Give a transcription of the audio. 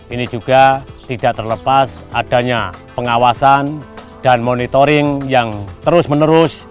ini juga tidak terlepas adanya pengawasan dan monitoring yang terus menerus